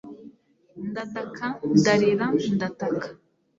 ndataka, ndarira, ndataka